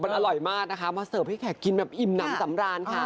มันอร่อยมากนะคะมาเสิร์ฟให้แขกกินแบบอิ่มน้ำสำราญค่ะ